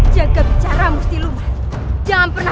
saya harus terbaik